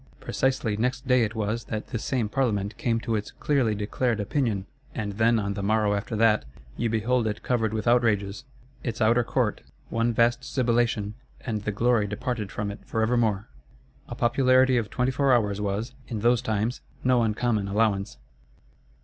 Precisely next day it was, that this same Parlement came to its "clearly declared opinion:" and then on the morrow after that, you behold it "covered with outrages"; its outer court, one vast sibilation, and the glory departed from it for evermore. A popularity of twenty four hours was, in those times, no uncommon allowance.